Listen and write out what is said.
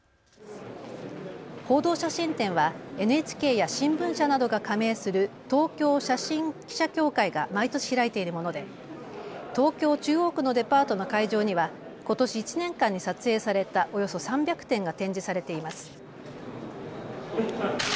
報道写真展はＮＨＫや新聞社などが加盟する東京写真記者協会が毎年開いているもので東京中央区のデパートの会場にはことし１年間に撮影されたおよそ３００点が展示されています。